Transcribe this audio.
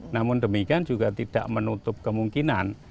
namun demikian juga tidak menutup kemungkinan